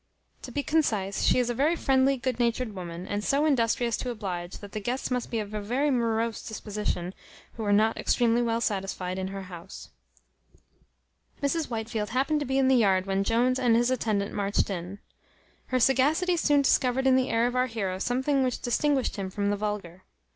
To be concise, she is a very friendly good natured woman; and so industrious to oblige, that the guests must be of a very morose disposition who are not extremely well satisfied in her house. Mrs Whitefield happened to be in the yard when Jones and his attendant marched in. Her sagacity soon discovered in the air of our heroe something which distinguished him from the vulgar.